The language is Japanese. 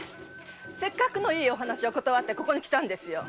せっかくのいいお話を断ってここに来たんですよ。